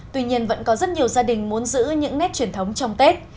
tuy nhiên vẫn có rất nhiều gia đình muốn giữ những nét truyền thống trong tết